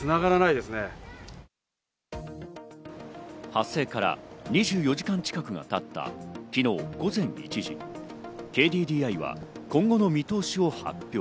発生から２４時間近くかかった昨日午前１時、ＫＤＤＩは今後の見通しを発表。